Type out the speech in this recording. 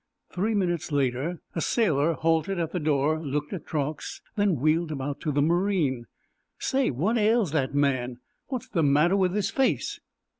Three minutes later a sailor halted at the door, looked at Truax, then wheeled about to the marine. "Say, what ails that man? What's the matter with his face?"